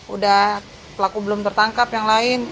udah pelaku belum tertangkap yang lain